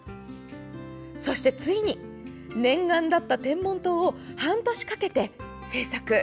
そして、ついに念願だった天文棟を半年かけて製作！